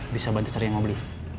bisa bantu cari yang mau beli